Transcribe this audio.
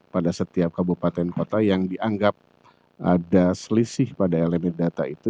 pada setiap kabupaten kota yang dianggap ada selisih pada elemen data itu